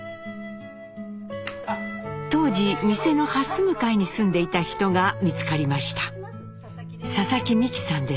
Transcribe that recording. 当時店のはす向かいに住んでいた人が見つかりました。